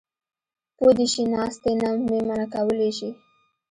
پو دې شي ناستې نه مې منع کولی شي.